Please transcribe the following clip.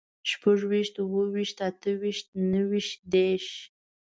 شپږويشت، اووه ويشت، اته ويشت، نهه ويشت، دېرش